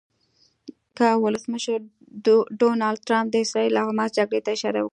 د امریکا ولسمشر ډونالډ ټرمپ د اسراییل او حماس جګړې ته اشاره وکړه.